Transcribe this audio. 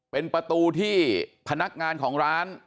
เป็นประตูที่พนักงานของร้าน